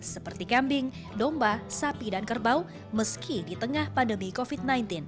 seperti kambing domba sapi dan kerbau meski di tengah pandemi covid sembilan belas